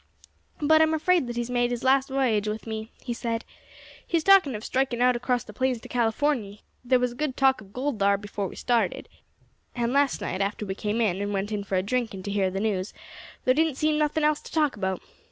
"But I am afraid he has made his last v'yage with me," he said; "he is talking of striking out across the plains to Californy. There was a good talk of gold thar before we started; and last night, after we came in, and went in for a drink and to hear the news, there didn't seem nothing else to talk about.